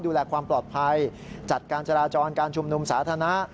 ดูแลความปลอดภัยจัดการจราจรการชุมนุมสาธารณะ